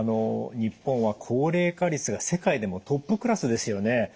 日本は高齢化率が世界でもトップクラスですよね。